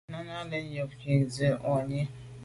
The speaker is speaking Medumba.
Nana lɛ̂n á nə yǒbkwì gə zí’ mwα̂ʼnì.